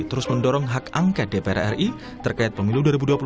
terus mendorong hak angket dpr ri terkait pemilu dua ribu dua puluh empat